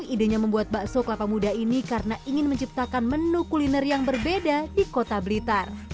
idenya membuat bakso kelapa muda ini karena ingin menciptakan menu kuliner yang berbeda di kota blitar